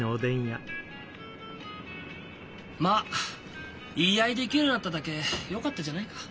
まあ言い合いできるようになっただけよかったじゃないか。